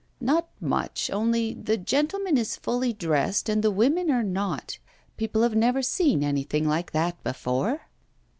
'Not much, only the gentleman is fully dressed, and the women are not. People have never seen anything like that before.